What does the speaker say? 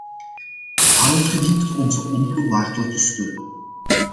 Daarom verdient het onze onvoorwaardelijke steun.